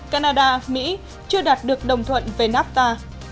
canada mỹ chưa đạt được đồng thuận về nafta